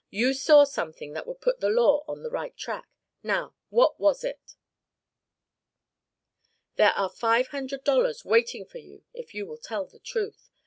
You saw something that would put the law on the right track. Now, what was it? There are five hundred dollars waiting for you if you will tell the truth.